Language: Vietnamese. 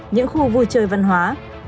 những khu vui chơi văn hóa